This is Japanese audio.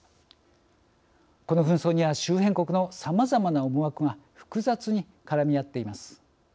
この紛争には周辺国のさまざまな思惑が複雑に絡み合っています。